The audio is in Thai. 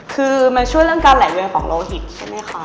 คือมันช่วยเรื่องการไหลเวียนของโลหิตใช่ไหมคะ